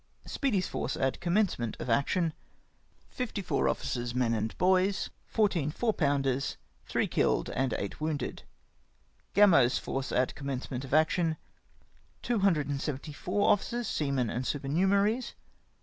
Speedy' s force at commencement of action. Fifty fom officers, men, and boys, 14 4 pounders. Three killed and 8 wounded. Gamo's force at commencement of action. Two hundred and seventy four officers, seamen, and super numeraries.